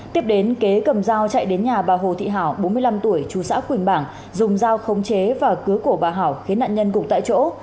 tiếp đến kế cầm dao chạy đến nhà bà hồ thị hảo bốn mươi năm tuổi chú xã quỳnh bảng dùng dao khống chế và cứu cổ bà hảo khiến nạn nhân gục tại chỗ